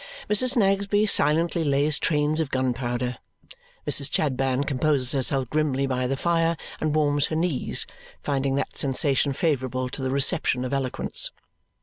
Mrs. Snagsby silently lays trains of gunpowder. Mrs. Chadband composes herself grimly by the fire and warms her knees, finding that sensation favourable to the reception of eloquence.